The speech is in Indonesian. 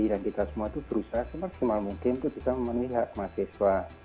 dan kita semua berusaha semaksimal mungkin untuk memilih mahasiswa